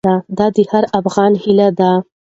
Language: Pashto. دا د هر افغان هیله ده.